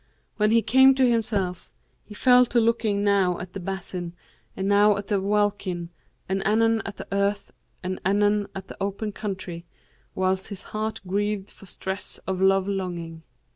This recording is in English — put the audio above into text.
When he came to himself, he fell to looking now at the basin and now at the welkin, and anon at the earth and anon at the open country, whilst his heart grieved for stress of love longing.